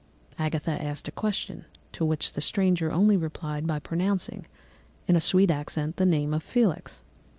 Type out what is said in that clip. Agatha asked a question, to which the stranger only replied by pronouncing, in a sweet accent, the name of Felix.